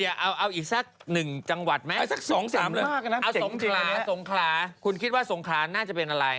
เอาอีกสักหนึ่งจังหวัดไหมเอาสงคราสงคราคุณคิดว่าสงคราน่าจะเป็นอะไร